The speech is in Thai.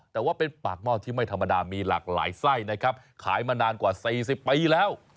แต่ว่าเป็นปากหม้อที่ไม่ธรรมดามีหลากหลายไส้นะครับขายมานานกว่า๔๐ปีแล้ว